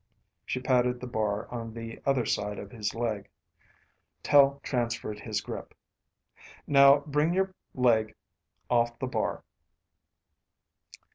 She patted the bar on the other side of his leg. Tel transferred his grip. "Now bring your leg off the bar."